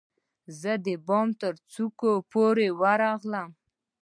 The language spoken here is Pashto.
زه د بام ترڅوکو پورې ورغلم